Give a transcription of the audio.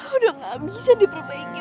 udah gak bisa diperbaikin lagi